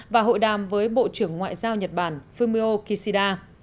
và hội đàm với bộ trưởng ngoại giao nhật bản fumio kishida